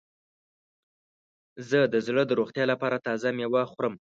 زه د زړه د روغتیا لپاره تازه میوه خورم.